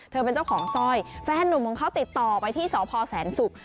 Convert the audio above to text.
เป็นเจ้าของสร้อยแฟนหนุ่มของเขาติดต่อไปที่สพแสนศุกร์